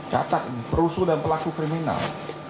catak perusuh dan pelaku kriminal